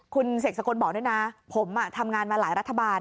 คุณเสกสกลบอกด้วยนะผมทำงานมาหลายรัฐบาล